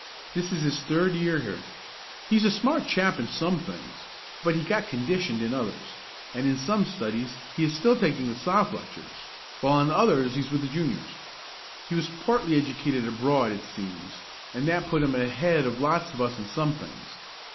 This is his third year here. He's a smart chap in some things, but he got conditioned in others, and in some studies he is still taking the Soph. lectures, while in others he is with the Juniors. He was partly educated abroad, it seems, and that put him ahead of lots of us in some things.